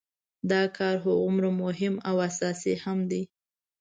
دا کار هماغومره مهم او اساسي هم دی.